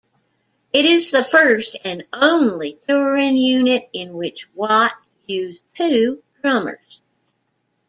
It is the first and only touring unit in which Watt used two drummers.